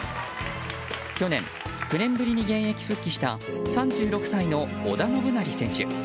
去年、９年ぶりに現役復帰した３６歳の織田信成選手。